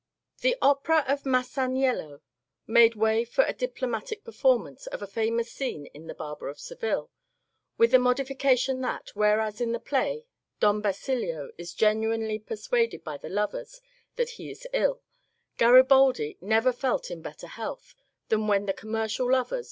The opera of ^^ MasanieUo " made way for a diplomatic perform ance of a famous scene in ^^ The Barber of Seville/ — with the modification that, whereas in the play Don Basilio is genuinely persuaded by the lovers that he is ill, Guribaldi never felt in better health than when the commercial lovers.